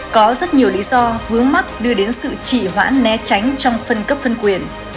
có rất nhiều lý do vướng mắt đưa đến sự chỉ hoãn né tránh trong phân cấp phân quyền